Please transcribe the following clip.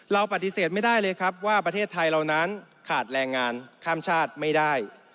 เราปฏิเสธไม่ได้เลยครับว่าประเทศไทยเรานั้นขาดแรงงานข้ามชาติไม่ได้